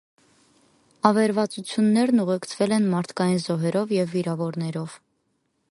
Ավերածություններն ուղեկցվել են մարդկային զոհերով և վիրավորներով։